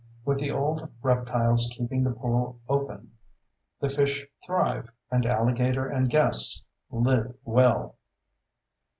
With the old reptiles keeping the pool open, the fish thrive, and alligator and guests live well.